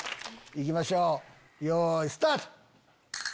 いきましょうよいスタート！